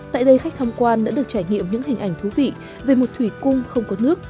tại đây khách tham quan đã được trải nghiệm những hình ảnh thú vị về một thủy cung không có nước